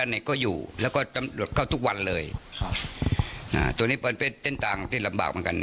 ไม่รู้ลงจ์บ้านสายดูยากนะ